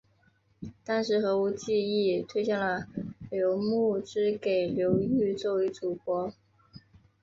当时何无忌亦推荐了刘穆之给刘裕作为主簿。